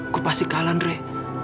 gue pasti kalah drei